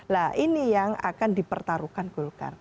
nah ini yang akan dipertaruhkan golkar